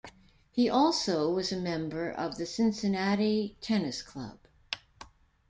He also was a member of the Cincinnati Tennis Club.